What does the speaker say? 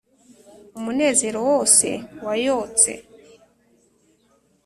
umunezero wose wayotse,